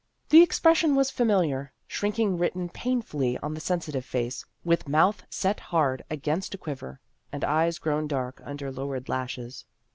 The expression was familiar shrinking written painfully on the sensi tive face, with mouth set hard against a quiver, and eyes grown dark under lowered lashes.